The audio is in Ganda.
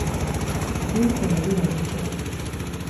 By'akola birabika.